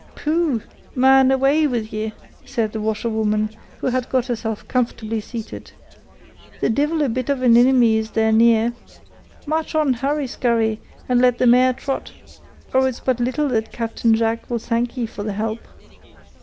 "Pooh! man, away wid ye," said the washerwoman, who had got herself comfortably seated. "The divil a bit of an inimy is there near. March on, hurry skurry, and let the mare trot, or it's but little that Captain Jack will thank ye for the help."